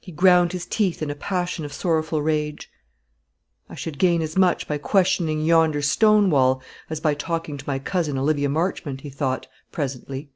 He ground his teeth in a passion of sorrowful rage. "I should gain as much by questioning yonder stone wall as by talking to my cousin, Olivia Marchmont," he thought, presently.